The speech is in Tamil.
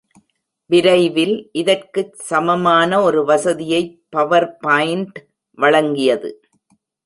விரைவில், இதற்குச் சமமான ஒரு வசதியைப் பவர்பாயின்ட் வழங்கியது.